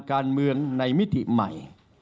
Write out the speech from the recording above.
ขอบคุณครับ